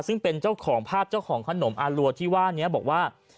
ซึ่งเป็นเจ้าของภาพเจ้าของขนมอารัวที่ว่านี้บอกว่า